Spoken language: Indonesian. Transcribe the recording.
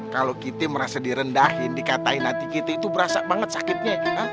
kalau kita merasa direndahin dikatakan hati kita itu berasa banget sakitnya